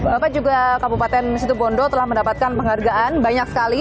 bapak juga kabupaten situbondo telah mendapatkan penghargaan banyak sekali